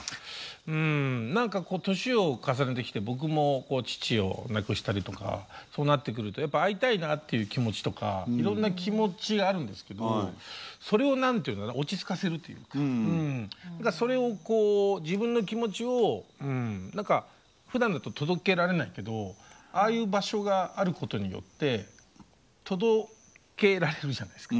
うん何かこう年を重ねてきて僕も父を亡くしたりとかそうなってくるとやっぱ会いたいなっていう気持ちとかいろんな気持ちあるんですけどそれを何て言うんだろう落ち着かせるというかそれをこう自分の気持ちを何かふだんだと届けられないけどああいう場所があることによって届けられるじゃないですか。